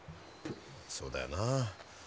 そうだよな。